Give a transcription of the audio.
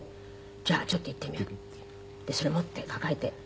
じゃあちょっと行ってみようってそれ持って抱えて。